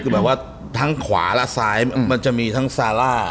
คือแบบว่าทั้งขวาและซ้ายมันจะมีทั้งซาร่า